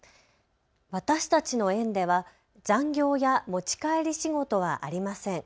私たちの園では残業や持ち帰り仕事はありません。